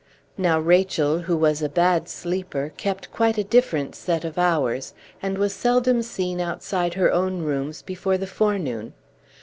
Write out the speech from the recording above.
Now Rachel, who was a bad sleeper, kept quite a different set of hours, and was seldom seen outside her own rooms before the forenoon.